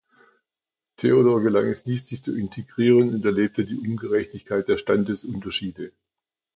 Theodor gelang es nicht, sich zu integrieren und erlebte die Ungerechtigkeit der Standesunterschiede.